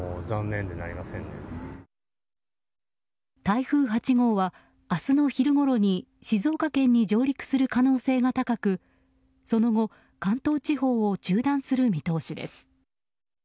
台風８号は明日の昼ごろに静岡県に上陸する可能性が高くその後、関東地方を縦断する見通しです。